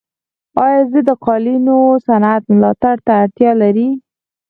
آیا د قالینو صنعت ملاتړ ته اړتیا لري؟